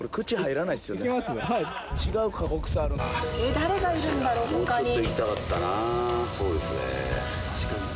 誰がいるんだろう？だって。